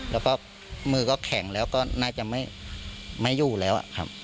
แล้วก็มือก็แข็งแล้วก็น่าจะไม่อยู่แล้วครับ